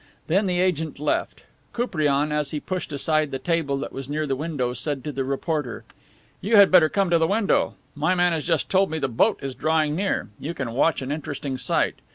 Then the agent left; Koupriane, as he pushed aside the table that was near the window, said to the reporter: "You had better come to the window; my man has just told me the boat is drawing near. You can watch an interesting sight.